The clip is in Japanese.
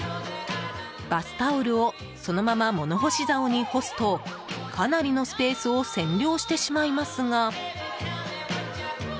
バスタオルをそのまま物干し竿に干すとかなりのスペースを占領してしまいますが。